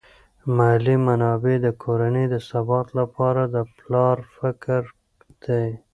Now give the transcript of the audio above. مالی منابع د کورنۍ د ثبات لپاره د پلار فکر دي.